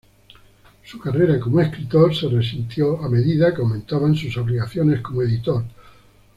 Su carrera como escritor se resintió a medida que aumentaban sus obligaciones como editor.